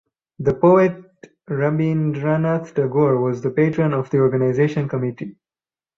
The poet Rabindranath Tagore was the patron of the Organisation Committee.